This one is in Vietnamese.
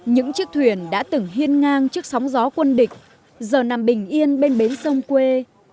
những chiếc thuyền đã từng hiên ngang trước sóng gió quân địch giờ nằm bình yên bên bến sông quê